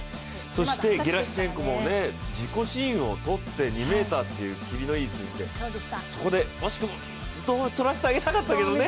そして、ゲラシュチェンコも自己新を取って２ｍという、きりのいい数字でそこで惜しくも銅を取らせてあげたかったけどね。